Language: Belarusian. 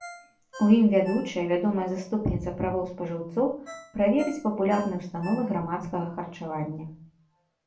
У ім вядучая, вядомая заступніца правоў спажыўцоў, правяраць папулярныя ўстановы грамадскага харчавання.